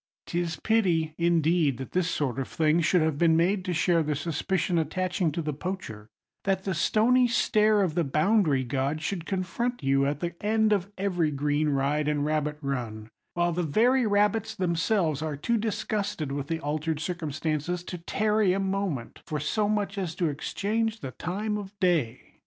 'Tis pity, indeed, that this sort of thing should have been made to share the suspicion attaching to the poacher; that the stony stare of the boundary god should confront you at the end of every green ride and rabbit run; while the very rabbits themselves are too disgusted with the altered circumstances to tarry a moment for so much as to exchange the time of day.